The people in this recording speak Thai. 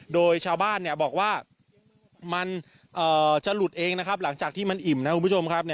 โดยชาวบ้านบอกว่ามันจะหลุดเองนะครับหลังจากที่มันอิ่มนะครับคุณผู้ชมครับ